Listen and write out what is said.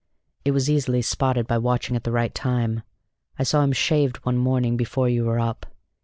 It was easily spotted by watching at the right time. I saw him shaved one morning before you were up!